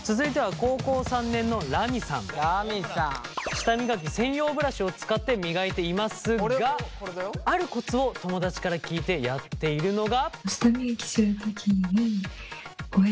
舌磨き専用ブラシを使って磨いていますがあるコツを友達から聞いてやっているのが。